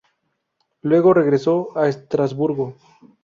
Luego, regresó a Estrasburgo.